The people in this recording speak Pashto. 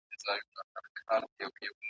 تخت سفر به انارګل او نارنج ګل ته یوسو .